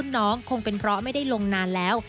น้องคงเป็นเพราะไม่ได้ลงนานแล้ว